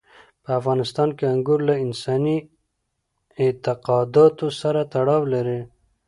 په افغانستان کې انګور له انساني اعتقاداتو سره تړاو لري.